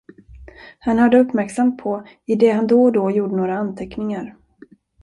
Han hörde uppmärksamt på, i det han då och då gjorde några anteckningar.